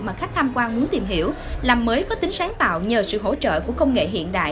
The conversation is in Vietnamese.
mà khách tham quan muốn tìm hiểu làm mới có tính sáng tạo nhờ sự hỗ trợ của công nghệ hiện đại